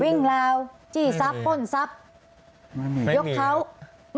ได้ใครวิ่งราวจี้ซับปนซับยกเค้าไม่มีไหม